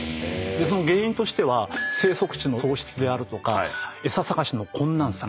その原因としては生息地の喪失であるとか餌探しの困難さ。